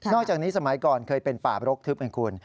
อกจากนี้สมัยก่อนเคยเป็นป่ารกทึบไงคุณ